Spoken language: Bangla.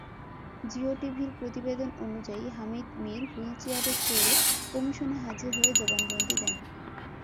জিয়ো টিভির প্রতিবেদন অনুযায়ী, হামিদ মির হুইলচেয়ারে চড়ে কমিশনে হাজির হয়ে জবানবন্দি দেন।